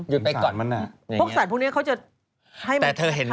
ยุดไปก่อนหยุดชาติมันน่ะ